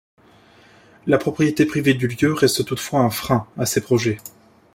La propriété privée du lieu reste toutefois un frein à ces projets.